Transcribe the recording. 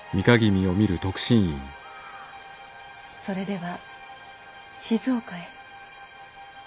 それでは静岡へ？